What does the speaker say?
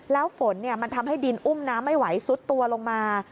แล้วฝนมันทำให้ดินอุ้มน้ำไม่ไหวซุดตัวลงมา